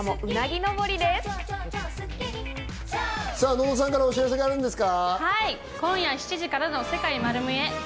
野田さんからお知らせがあるんですか。